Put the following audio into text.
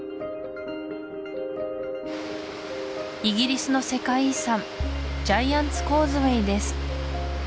イギリスの世界遺産ジャイアンツ・コーズウェイです